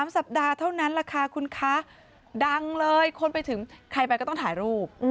สัปดาห์เท่านั้นแหละค่ะคุณคะดังเลยคนไปถึงใครไปก็ต้องถ่ายรูป